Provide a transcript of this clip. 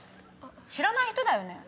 知らない人だよね。